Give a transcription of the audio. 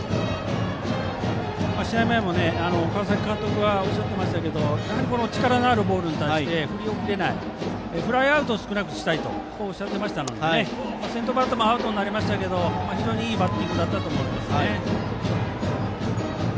試合前も川崎監督がおっしゃってましたがやはり力のあるボールに対して振り遅れないフライアウトを少なくしたいとおっしゃっていましたので先頭バッターもアウトになりましたが非常にいいバッティングだったと思います。